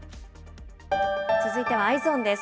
続いてはＥｙｅｓｏｎです。